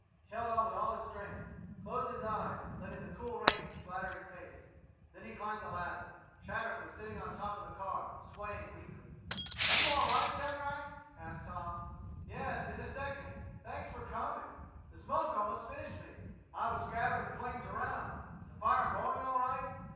He held on with all his strength, closed his eyes, letting the cool rain splatter in his face. Then he climbed the ladder, Shadrack was sitting on the top of the car, swaying weakly. "Are you all right, Shadrack?" asked Tom. "Yes in a second. Thanks for coming. The smoke almost finished me. I was scattering the flames around. Is the fire going all right?"